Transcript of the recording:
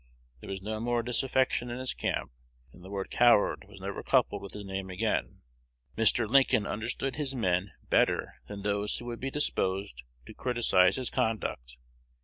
There was no more disaffection in his camp, and the word "coward" was never coupled with his name again. Mr. Lincoln understood his men better than those who would be disposed to criticise his conduct.